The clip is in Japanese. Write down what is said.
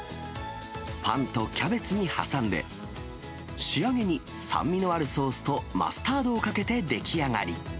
パンとキャベツに挟んで、仕上げに、酸味のあるソースとマスタードをかけて出来上がり。